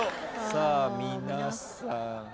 さあ皆さん。